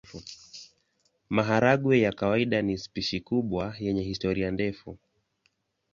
Maharagwe ya kawaida ni spishi kubwa yenye historia ndefu.